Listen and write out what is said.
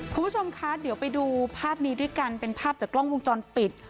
คุณผู้ชมคะเดี๋ยวไปดูภาพนี้ด้วยกันเป็นภาพจากกล้องวงจรปิด